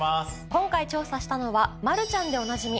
今回調査したのはマルちゃんでおなじみ